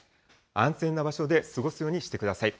安全な場所で過ごすようにしてください。